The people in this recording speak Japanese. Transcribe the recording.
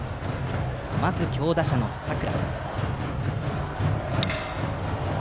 まず、強打者の佐倉。